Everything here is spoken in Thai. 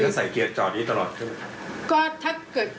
ปกติก็ใส่เกียร์จอดนี้ตลอดใช่ไหม